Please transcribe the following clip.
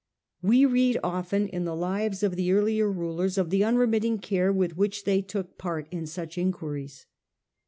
We read often in the lives of the earlier rulers of the unremitting care with which they took part in such inquiries.